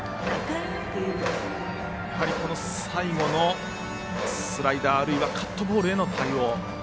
最後のスライダーあるいはカットボールへの対応。